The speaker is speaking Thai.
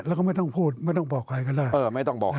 แล้วก็ไม่ต้องพูดไม่ต้องบอกใครก็ได้